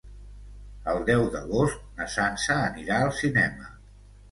El deu d'agost na Sança anirà al cinema.